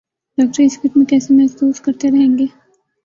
doctor اس کٹ میں کیسے محسوس کرتے رہیں گے